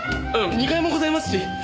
ああ２階もございますし。